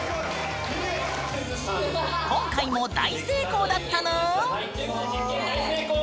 今回も大成功だったぬん。